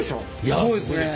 すごいですね。